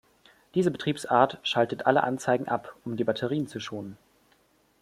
Diese Betriebsart schaltet alle Anzeigen ab, um die Batterien zu schonen.